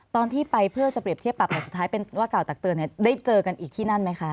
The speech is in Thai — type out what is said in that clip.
ตอนที่ไปเพื่อจะเปรียบเทียบปรับแต่สุดท้ายเป็นว่ากล่าวตักเตือนได้เจอกันอีกที่นั่นไหมคะ